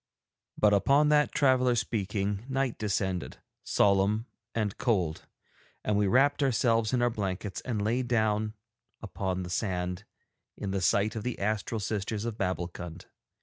But upon that traveller speaking night descended, solemn and cold, and we wrapped ourselves in our blankets and lay down upon the sand in the sight of the astral sisters of Babbulkund.